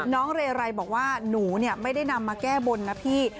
น้องเรไรบอกว่าหนูเนี่ยไม่ได้นำมาแก้บนนะพี่